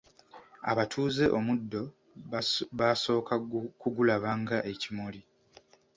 Abatuuze omuddo baasooka kugulaba nga ekimuli.